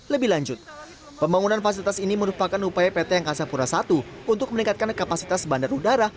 lebih lanjut pembangunan fasilitas ini merupakan upaya pt angkasa pura i untuk meningkatkan kapasitas bandar udara